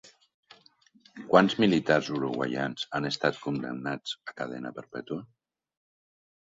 Quants militars uruguaians han estat condemnats a cadena perpètua?